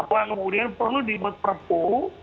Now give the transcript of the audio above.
bahwa kemudian perlu dibuat perpu